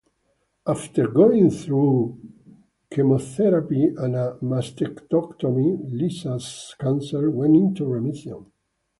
After going through chemotherapy and a mastectomy, Lisa's cancer went into remission.